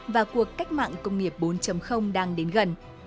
và cuộc cách mạng công nghiệp bốn đang đến gần